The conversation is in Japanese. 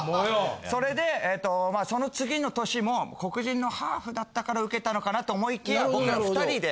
それでその次の年も黒人のハーフだったからウケたのかなと思いきや僕ら２人で。